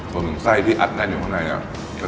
ส่วนถึงไส้ที่อัดนั้นอยู่ข้างในเนี่ย